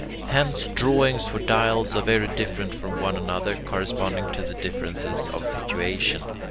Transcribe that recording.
Hence drawings for dials are very different from one another, corresponding to differences of situation.